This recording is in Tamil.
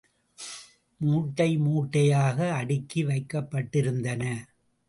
மூட்டை மூட்டையாக அடுக்கி வைக்கப்பட்டிருந்தன.